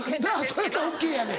それやったらＯＫやねん。